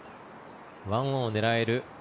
１オンを狙える